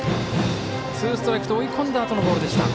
ツーストライクで追い込んだあとのボールでした。